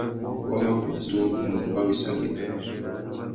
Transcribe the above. Wa mà kutu mù uba wissangüena.